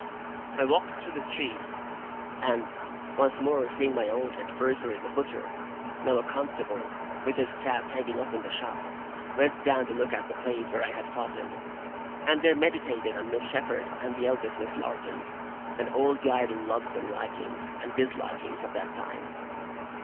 I walked through the streets; and, once more seeing my old adversary the butcher now a constable, with his staff hanging up in the shop went down to look at the place where I had fought him; and there meditated on Miss Shepherd and the eldest Miss Larkins, and all the idle loves and likings, and dislikings, of that time.